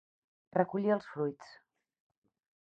Recollir els fruits.